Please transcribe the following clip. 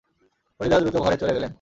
ফরিদা দ্রুত ঘরে চলে গেলেন।